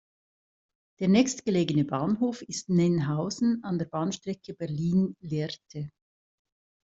Der nächstgelegene Bahnhof ist "Nennhausen" an der Bahnstrecke Berlin–Lehrte.